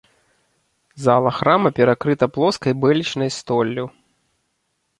Зала храма перакрыта плоскай бэлечнай столлю.